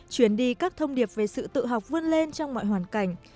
truyền đi các thông điệp về sự tự học vươn lên trong mọi hoàn cảnh